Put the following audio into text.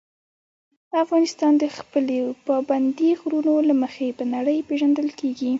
افغانستان د خپلو پابندي غرونو له مخې په نړۍ پېژندل کېږي.